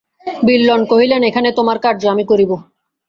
বিল্বন কহিলেন, এখানে তোমার কার্য আমি করিব।